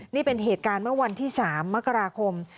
นี่เป็นเหตุการณ์เมื่อวันที่๓มกราคม